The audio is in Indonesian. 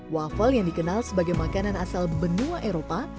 waffle yang dikenal sebagai makanan asal benua eropa